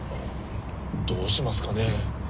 どうしますかね？